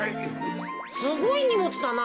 すごいにもつだな。